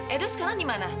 edo sekarang di mana